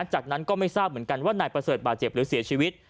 จากนั้นก็ไม่ทราบเหมือนกันว่านายประเสริฐบาดเจ็บหรือเสียชีวิต